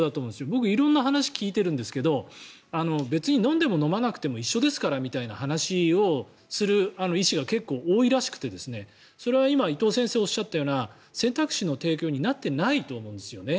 僕、色んな話聞いてるんですが別に飲んでも飲まなくても一緒ですからみたいな話をする医師が結構多いらしくてそれは今、伊藤先生がおっしゃったような選択肢の提供になってないと思うんです。